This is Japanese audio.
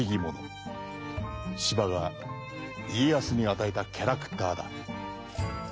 司馬が家康に与えたキャラクターだ。